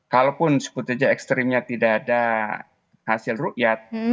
kalaupun sebetulnya ekstrimnya tidak ada hasil rukyat